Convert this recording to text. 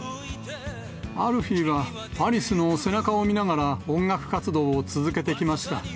アルフィーはアリスの背中を見ながら、音楽活動を続けてきました。